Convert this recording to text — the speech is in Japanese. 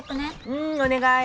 うんお願い。